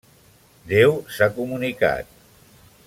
Déu s'ha comunicat.